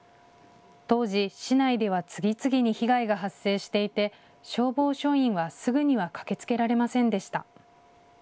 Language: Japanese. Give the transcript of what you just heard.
当時、市内では次々に被害が発生していて消防署員はすぐには駆けつけられませんでした。